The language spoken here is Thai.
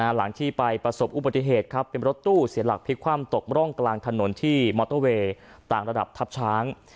หลังที่ไปประสบอุบัติเหตุครับเป็นรถตู้เสียหลักพลิกคว่ำตกร่องกลางถนนที่มอเตอร์เวย์ต่างระดับทับช้าง